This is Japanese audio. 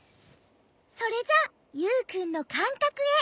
それじゃユウくんのかんかくへ。